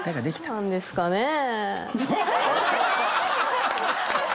できたんですかね？